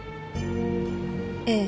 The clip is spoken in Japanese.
ええ。